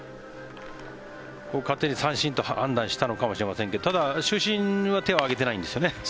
勝手に三振と判断したのかもしれませんがただ、主審は手を挙げていないんですよね。